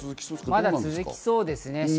まだ続きそうですね。